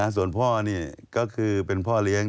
ส่วนพ่อนี่ก็คือเป็นพ่อเลี้ยง